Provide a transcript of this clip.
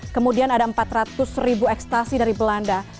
kemudian ada empat ratus ribu ekstasi dari belanda